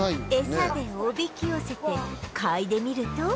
餌でおびき寄せて嗅いでみると